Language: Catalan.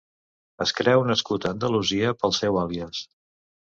Es creu nascut a Andalusia pel seu àlies.